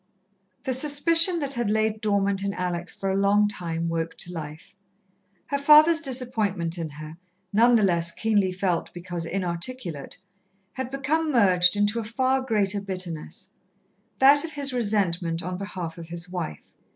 The suspicion that had laid dormant in Alex for a long time woke to life. Her father's disappointment in her, none the less keenly felt because inarticulate, had become merged into a far greater bitterness: that of his resentment on behalf of his wife.